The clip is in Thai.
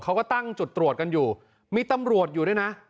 เขาก็ตั้งจุดตรวจกันอยู่มีตำรวจอยู่ด้วยนะ